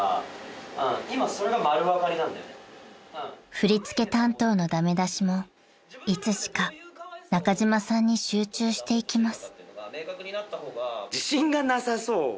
［振り付け担当の駄目出しもいつしか中島さんに集中していきます］